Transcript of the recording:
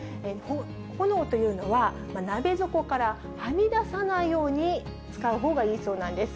炎というのは鍋底からはみ出さないように使うほうがいいそうなんです。